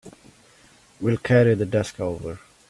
We'll carry the desk over.